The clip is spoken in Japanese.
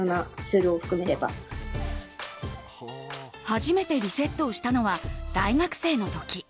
初めてリセットをしたのは大学生の時。